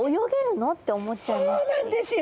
そうなんですよ。